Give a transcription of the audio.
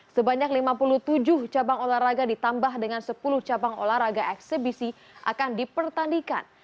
sebanyak lima puluh tujuh cabang olahraga ditambah dengan sepuluh cabang olahraga eksebisi akan dipertandingkan